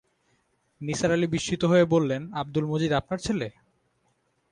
নিসার আলি বিস্মিত হয়ে বললেন, আব্দুল মজিদ আপনার ছেলে?